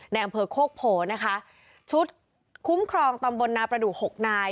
ในอำเภอโคกโพนะคะชุดคุ้มครองตำบลนาประดูกหกนาย